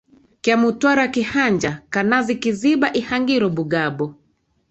Kyamutwara Kihanja Kanazi Kiziba Ihangiro Bugabo